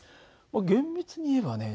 厳密に言えばね